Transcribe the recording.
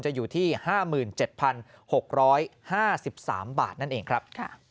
อยู่ที่๕๗๖๕๓บาทนั่นเองครับ